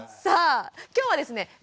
さあ今日はですね